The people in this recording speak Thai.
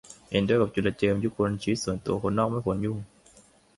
เห็นด้วยกับจุลเจิม ยุคล ชีวิตส่วนตัว คนนอกไม่ควรยุ่ง